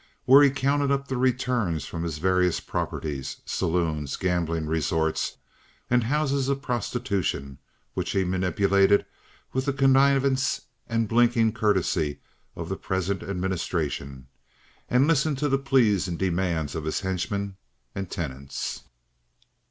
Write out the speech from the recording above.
Here he counted up the returns from his various properties—salons, gambling resorts, and houses of prostitution—which he manipulated with the connivance or blinking courtesy of the present administration, and listened to the pleas and demands of his henchmen and tenants.